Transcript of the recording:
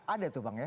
ada tuh bang ya